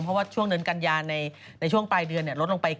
เพราะว่าช่วงเดือนกันยาในช่วงปลายเดือนลดลงไป